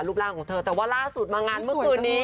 รูปร่างของเธอแต่ว่าล่าสุดมางานเมื่อคืนนี้